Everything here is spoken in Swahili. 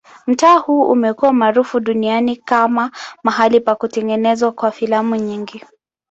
Mtaa huu umekuwa maarufu duniani kama mahali pa kutengenezwa kwa filamu nyingi.